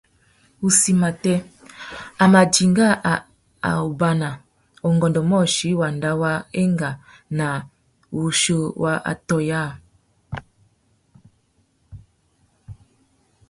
Wuchí matê, a mà dinga a ombāna ungôndômôchï wanda wa enga nà wuchiô wa atõh yâā.